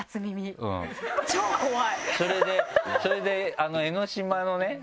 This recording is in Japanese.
それでそれで江の島のね